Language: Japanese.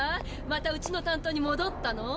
またうちの担当にもどったの？